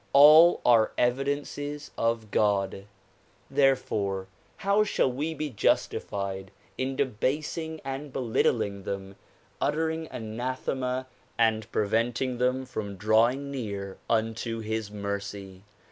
All are evidences of God; therefore how shall we be justified in debasing and belittling them, uttering anathema and preventing them from drawing near unto his mercy.